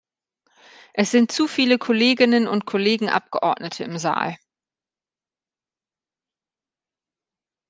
Es sind zu viele Kolleginnen und Kollegen Abgeordnete im Saal.